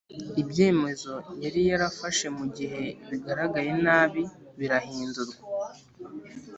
ibyemezo yari yarafashe mu gihe bigaragaye nabi birahindurwa.